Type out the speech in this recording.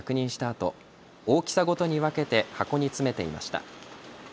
あと大きさごとに分けて箱に詰めていました。